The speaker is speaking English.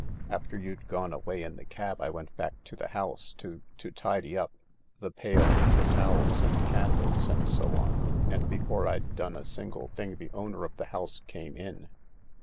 After you'd gone away in the cab I went back to the house to— to tidy up— the pail and the towels and candles and so on, and before I'd done a single thing the owner of the house came in.